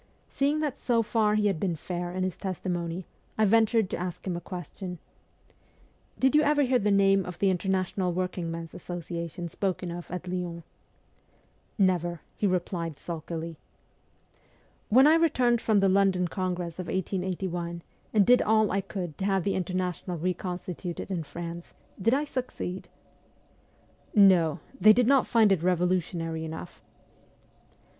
Seeing that so far he had been fair in his testimony, I ventured to ask him a question :' Did you ever hear the name of the International Workingmen's Associa tion spoken of at Lyons ?'' Never,' he replied sulkily. ' When I returned from the London congress of 1881, and did all I could to have the International \ reconstituted in France, did I succeed ?'' No. They did not find it revolutionary enough.'